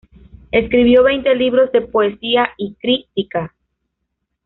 Escribió veinte libros de poesía y crítica.